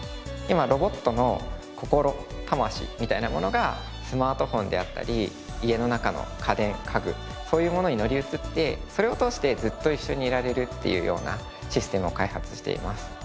今ロボットの心魂みたいなものがスマートフォンであったり家の中の家電家具そういうものに乗り移ってそれを通してずっと一緒にいられるっていうようなシステムを開発しています。